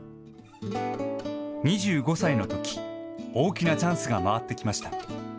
２５歳のとき、大きなチャンスが回ってきました。